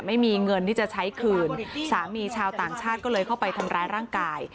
ไม่มีเงินที่จะใช้คืนสามีชาวต่างชาติก็เลยเข้าไปทำร้ายร่างกาย